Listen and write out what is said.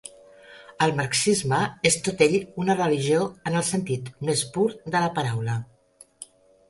El marxisme és tot ell una religió en el sentit més pur de la paraula.